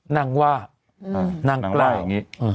นางว่านางกล้าอย่างนี้